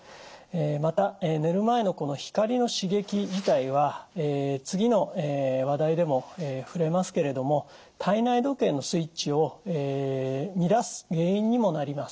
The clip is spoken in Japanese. また寝る前のこの光の刺激自体は次の話題でも触れますけれども体内時計のスイッチを乱す原因にもなります。